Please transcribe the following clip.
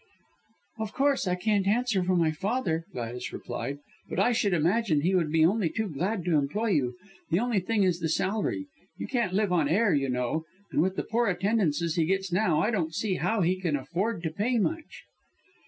"Of course I can't answer for my father," Gladys replied, "but I should imagine he would be only too glad to employ you. The only thing is the salary. You can't live on air, you know, and with the poor attendances he gets now, I don't see how he can afford to pay much."